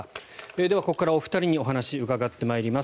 ではここからお二人にお話を伺ってまいります。